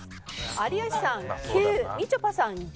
有吉さん９みちょぱさん